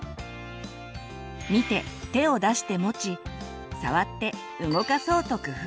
見て手を出して持ち触って動かそうと工夫する。